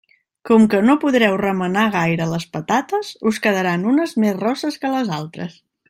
Com que no podreu remenar gaire les patates, us quedaran unes més rosses que les altres.